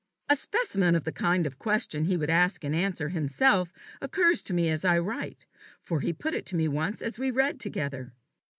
A specimen of the kind of question he would ask and answer himself, occurs to me as I write, for he put it to me once as we read together.